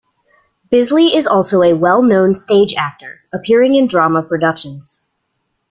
Bisley is also a well-known stage actor, appearing in Drama productions.